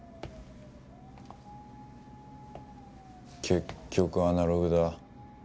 結局アナログだ。